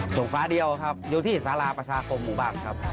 ส่งฝาเดียวครับอยู่ที่สาราประชาคมบางครับ